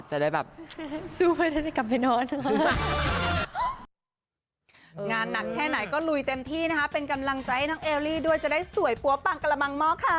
จะได้แบบสู้เพราะอะไรกลับไปนอน